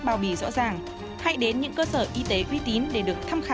cô gái vẫn thả nhiên ngồi đọc sách